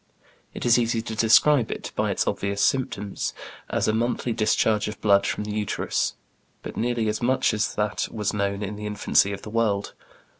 It is easy to describe it, by its obvious symptoms, as a monthly discharge of blood from the uterus, but nearly as much as that was known in the infancy of the world.